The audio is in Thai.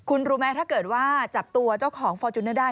คุณรู้ไหมถ้าเกิดว่าจับตัวเจ้าของฟอร์จูเนอร์ได้